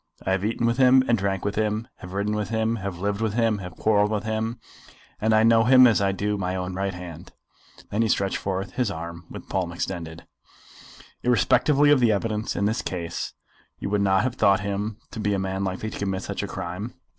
I have eaten with him and drank with him, have ridden with him, have lived with him, and have quarrelled with him; and I know him as I do my own right hand." Then he stretched forth his arm with the palm extended. "Irrespectively of the evidence in this case you would not have thought him to be a man likely to commit such a crime?"